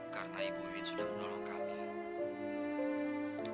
karena ibu iwin sudah menolong kami